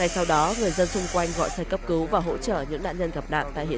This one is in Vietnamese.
xin chào và hẹn gặp lại